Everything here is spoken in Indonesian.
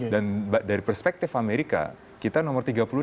dan dari perspektif amerika kita nomor tiga puluh enam